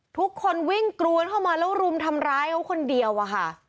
ทุกคนวิ่งกรวนเข้ามาแล้วรุมทำร้ายเขาคนเดียวอะค่ะ